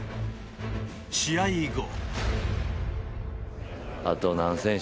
試合後。